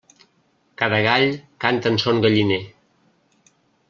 Cada gall canta en son galliner.